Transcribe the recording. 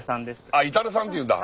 あっ至さんっていうんだ。